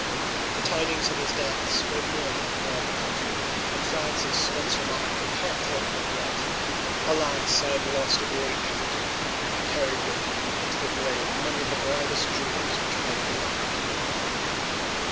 The tidings of his death spread mourning throughout the country, and Francis once remarked with heartfelt regret :" Alas, I have lost a great captain. He carried with him into the grave many of the brightest jewels which might have been added to my crown